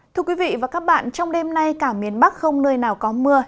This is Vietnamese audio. thưa quý vị và các bạn trong đêm nay cả miền bắc không nơi nào có mưa